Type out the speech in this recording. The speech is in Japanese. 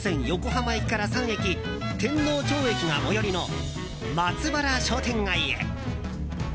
横浜駅から３駅天王町駅が最寄りの松原商店街へ。